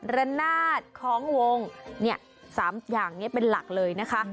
ระนาจของวงเนี่ย๓อย่างเนี่ยเป็นหลักเลยนะคะ